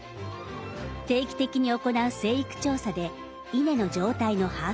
定期的に行う生育調査で稲の状態の把握